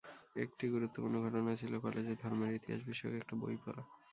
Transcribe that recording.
একটি গুরুত্বপূর্ণ ঘটনা ছিল কলেজে ধর্মের ইতিহাস বিষয়ক একটি বই পড়া।